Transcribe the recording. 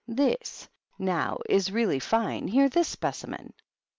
Tfdsy now, is really fine, — ^hear this specimen!